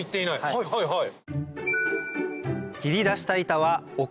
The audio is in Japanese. はいはいはい。